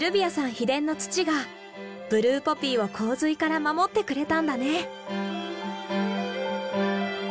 秘伝の土がブルーポピーを洪水から守ってくれたんだね。